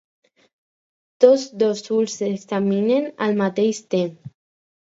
Tots dos ulls s'examinen al mateix temps.